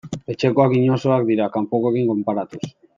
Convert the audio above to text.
Etxekoak inozoak dira kanpokoekin konparatuz.